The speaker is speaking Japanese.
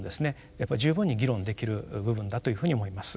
やっぱ十分に議論できる部分だというふうに思います。